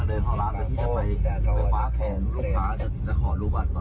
ตอนข้าวออกมาไม่ได้ถ่ายไว้